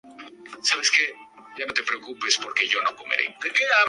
Se han hallado restos en Brasil, Paraguay, Bolivia, Uruguay, Chile, y Argentina.